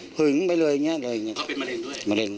หึงไปเลยอย่างเงี้ยเลยอย่างเงี้ยเขาเป็นมะเร็งด้วย